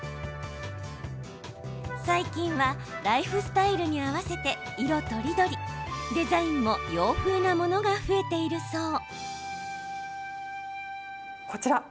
最近はライフスタイルに合わせて色とりどりデザインも洋風なものが増えているそう。